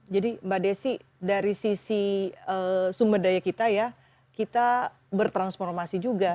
jadi mbak desy dari sisi sumber daya kita ya kita bertransformasi juga